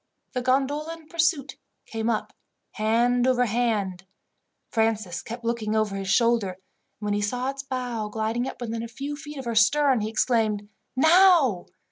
The gondola in pursuit came up hand over hand. Francis kept looking over his shoulder, and when he saw its bow gliding up within a few feet of her stern he exclaimed "Now!"